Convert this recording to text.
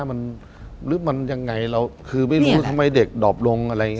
มันหรือมันยังไงเราคือไม่รู้ทำไมเด็กดอบลงอะไรอย่างนี้